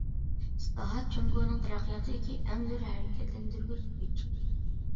ئىسلاھات جۇڭگونىڭ تەرەققىياتىدىكى ئەڭ زور ھەرىكەتلەندۈرگۈچ كۈچ.